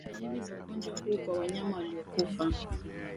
Dalili za ugonjwa huu kwa wanyama waliokufa